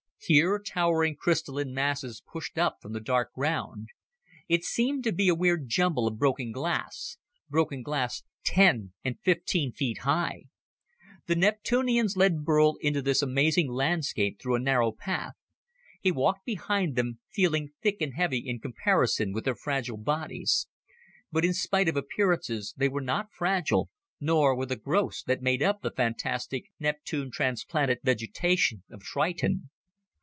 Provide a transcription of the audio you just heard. Here towering crystalline masses pushed up from the dark ground. It seemed to be a weird jumble of broken glass broken glass ten and fifteen feet high! The Neptunians led Burl into this amazing landscape through a narrow path. He walked behind them, feeling thick and heavy in comparison with their fragile bodies. But, in spite of appearances, they were not fragile, nor were the growths that made up the fantastic Neptune transplanted vegetation of Triton.